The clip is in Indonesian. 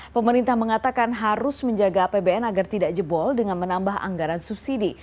pemerintah mengatakan harus menjaga apbn agar tidak jebol dengan menambah anggaran subsidi